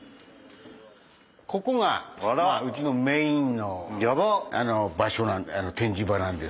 ここがうちのメインの展示場なんですよ。